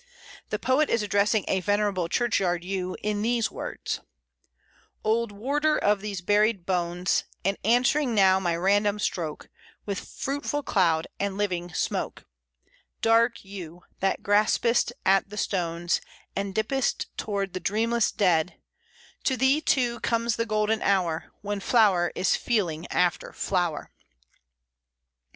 The poet is addressing a venerable churchyard Yew in these words: "Old warder of these buried bones, And answering now my random stroke With fruitful cloud and living smoke; Dark Yew, that graspest at the stones And dippest towards the dreamless dead, To thee, too, comes the golden hour, When flower is feeling after flower."